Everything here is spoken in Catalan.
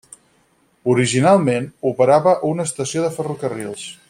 Originalment, operava una estació de ferrocarrils.